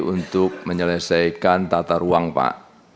untuk menyelesaikan tata ruang pak